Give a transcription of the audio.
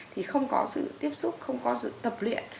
thì không có sự tiếp xúc không có sự tập luyện